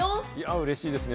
うれしいですね。